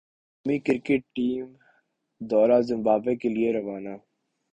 قومی cricket team دورہ Zimbabwe کے لئے روانہ